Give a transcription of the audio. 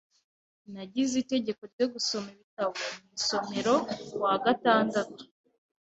Nagize itegeko ryo gusoma ibitabo mu isomero kuwa gatandatu.